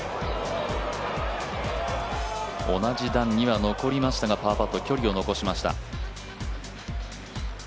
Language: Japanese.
同じ段には残しましたがパーパット、距離を残しました。